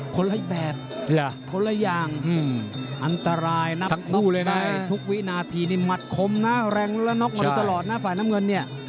คนละแบบคนละอย่างอันตรายนับคู่เลยนะในทุกวินาทีนี่มัดคมนะแรงและน็อกมาโดยตลอดนะฝ่ายน้ำเงินเนี่ย